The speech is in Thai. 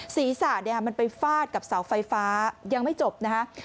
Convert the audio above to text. ศีรษะมันไปฟาดกับเสาไฟฟ้ายังไม่จบนะคะ